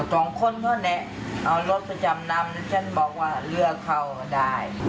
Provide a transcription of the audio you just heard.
สองคนเท่านั้นเอารถไปจำนำฉันบอกว่าเรือเข้ามาได้